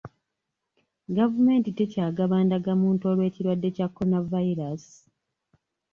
Gavumenti tekyagaba ndagamuntu olw'ekirwadde kya Corona virus